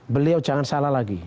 beliau jangan salah lagi